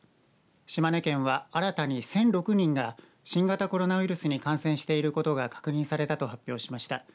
島根県は、新たに１００６人が新型コロナウイルスに感染していることが確認されたと発表しました。